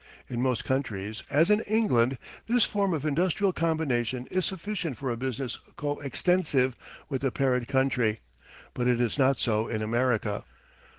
In most countries, as in England, this form of industrial combination is sufficient for a business co extensive with the parent country, but it is not so in America.